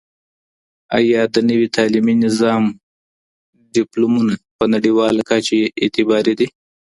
آیا د نوي تعلیمي نظام ډیپلومونه په نړیواله کچه اعتباري دي؟